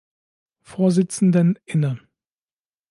Vorsitzenden inne.